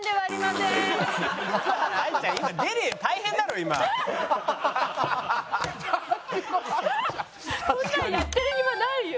こんなのやってる暇ないよ。